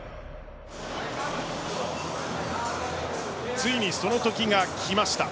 ついにその時が来ました。